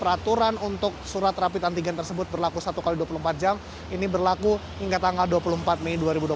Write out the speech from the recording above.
peraturan untuk surat rapid antigen tersebut berlaku satu x dua puluh empat jam ini berlaku hingga tanggal dua puluh empat mei dua ribu dua puluh